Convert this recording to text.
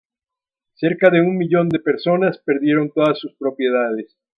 Cerca de un millón de personas perdieron todas sus propiedades.